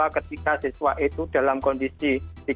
ketika siswa itu dalam kondisi